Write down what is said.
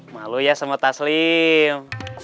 malu ya sama taslim